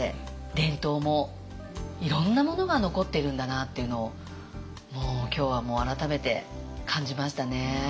いろんなものが残ってるんだなっていうのを今日は改めて感じましたね。